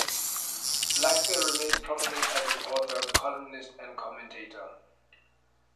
Laxer remains prominent as an author, columnist and commentator.